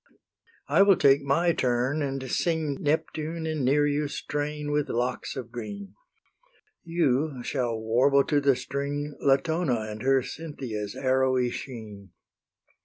I will take my turn and sing Neptune and Nereus' train with locks of green; You shall warble to the string Latona and her Cynthia's arrowy sheen.